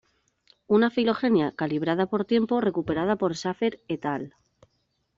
Una filogenia calibrada por tiempo recuperada por Shaffer "et al.